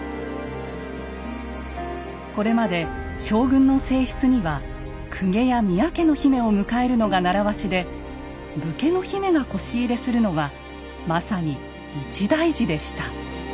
これまで将軍の正室には公家や宮家の姫を迎えるのが習わしで武家の姫が輿入れするのはまさに一大事でした。